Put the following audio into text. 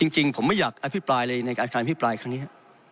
จริงผมไม่อยากอภิภายเลยในการการอภิภายครั้งนี้